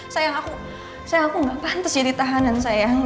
sayang aku gak pantas jadi tahanan sayang